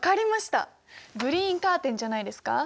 グリーンカーテンじゃないですか。